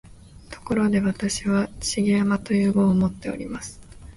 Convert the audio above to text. ところで、私は「重山」という号をもっております